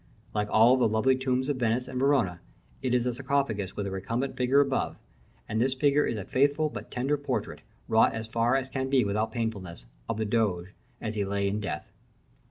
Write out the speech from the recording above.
Like all the lovely tombs of Venice and Verona, it is a sarcophagus with a recumbent figure above, and this figure is a faithful but tender portrait, wrought as far as it can be without painfulness, of the doge as he lay in death.